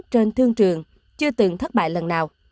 trên thương trường chưa từng thất bại lần nào